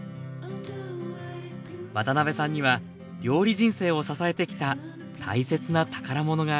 渡辺さんには料理人生を支えてきた大切な宝物があります